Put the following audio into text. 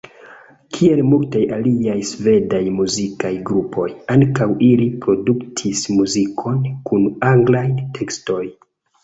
Kiel multaj aliaj svedaj muzikaj grupoj, ankaŭ ili produktis muzikon kun anglaj tekstoj.